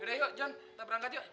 udah yuk jon kita berangkat yuk